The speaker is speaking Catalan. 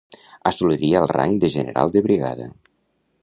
Assoliria el rang de general de brigada.